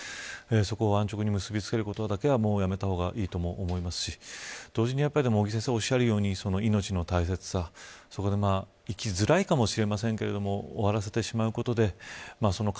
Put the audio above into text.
そこを安直に結びつけることだけは、やめた方がいいと思いますし同時に、尾木先生がおっしゃるように命の大切さ生きづらいかもしれませんが負わされてしまうことです。